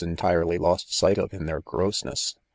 entirely lost sight of in their gross ness.